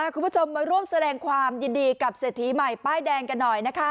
คุณผู้ชมมาร่วมแสดงความยินดีกับเศรษฐีใหม่ป้ายแดงกันหน่อยนะคะ